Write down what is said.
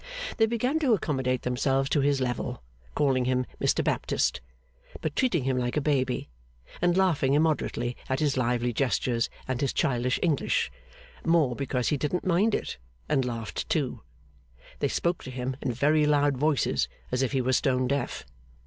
They began to accommodate themselves to his level, calling him 'Mr Baptist,' but treating him like a baby, and laughing immoderately at his lively gestures and his childish English more, because he didn't mind it, and laughed too. They spoke to him in very loud voices as if he were stone deaf.